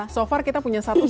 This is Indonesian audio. so far kita punya satu